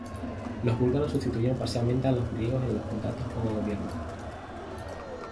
Los búlgaros sustituyeron parcialmente a los griegos en los contratos con el Gobierno.